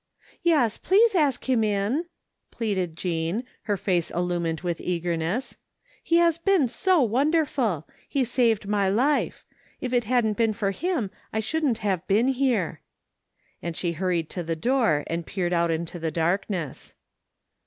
" Yes, please ask him in," pleaded Jean, her face illumined with eagerness, " he has been so wonderful ! He saved my life. If it hadn't been for him I shouldn't have been here." And she hurried to the door and peered out into the darkness.